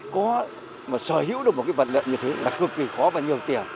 có mà sở hữu được một cái vật liệu như thế là cực kỳ khó và nhiều tiền